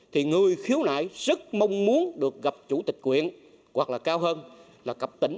thì người khiếu nại rất mong muốn được gặp chủ tịch quyền hoặc là cao hơn là cặp tỉnh